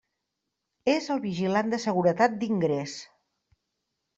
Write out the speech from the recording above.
És el vigilant de seguretat d'ingrés.